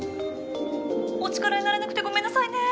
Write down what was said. お力になれなくてごめんなさいね。